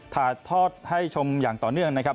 ถ่ายทอดให้ชมอย่างต่อเนื่องนะครับ